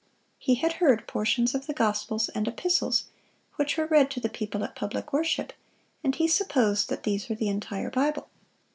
He had heard portions of the Gospels and Epistles, which were read to the people at public worship, and he supposed that these were the entire Bible.